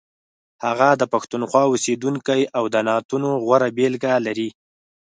هغه د پښتونخوا اوسیدونکی او د نعتونو غوره بېلګې لري.